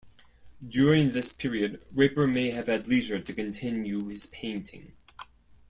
During this period, Raper may have had leisure to continue his painting.